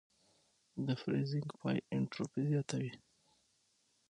د فریزینګ پای انټروپي زیاتوي.